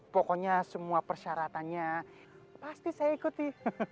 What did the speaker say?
pokoknya semua persyaratannya pasti saya ikuti